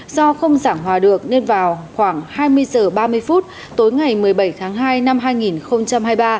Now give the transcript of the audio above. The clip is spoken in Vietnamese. do không giảng hòa được nên vào khoảng hai mươi h ba mươi phút tối ngày một mươi bảy tháng hai năm hai nghìn hai mươi ba